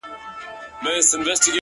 چي تلاوت وي ورته خاندي، موسيقۍ ته ژاړي،